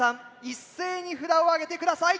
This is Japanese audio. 一斉に札をあげて下さい。